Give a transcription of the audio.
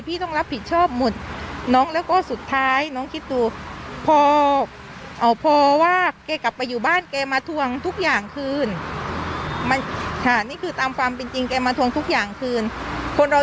พี่ก่อนแล้วก็ได้แน่นะครับ